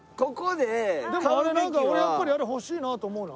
でもなんか俺やっぱりあれ欲しいなと思うな。